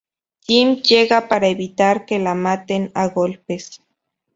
Jim, llega para evitar que la maten a golpes.